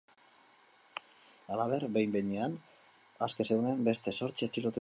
Halaber, behin-behinean aske zeuden beste zortzi atxilotu egin dituzte.